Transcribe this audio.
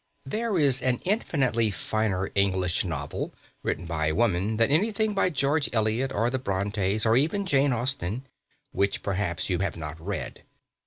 There is an infinitely finer English novel, written by a woman, than anything by George Eliot or the Brontes, or even Jane Austen, which perhaps you have not read.